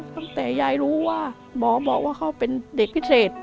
ตั้งแต่ยายรู้ว่าหมอบอกว่าเขาเป็นเด็กพิเศษ